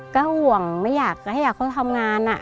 ก็ห่วงไม่อยากให้อยากเขาทำงาน